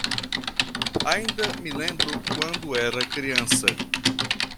Ainda me lembro quando era criança.